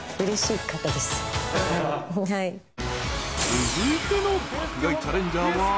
［続いての爆買いチャレンジャーは］